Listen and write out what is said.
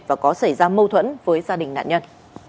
và có xảy ra mâu thuẫn với gia đình nạn nhân